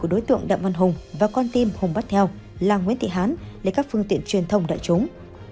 đối tượng đặng văn hùng và con tim hùng bát theo là nguyễn thị hán lấy các phương tiện truyền thông đại chúng